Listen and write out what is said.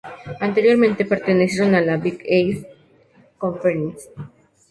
Anteriormente pertenecieron a la Big East Conference.